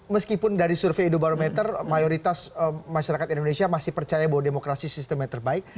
meskipun dari survei ideobarometer mayoritas masyarakat indonesia masih percaya bahwa demokrasi sistemnya terbaik